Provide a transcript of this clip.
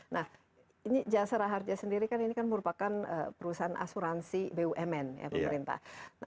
nah ini jasara harja sendiri kan ini kan merupakan perusahaan asuransi bumn ya pemerintah